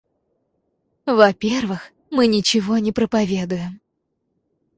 Во-первых, мы ничего не проповедуем!